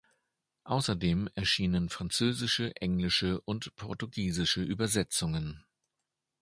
Außerdem erschienen französische, englische und portugiesische Übersetzungen.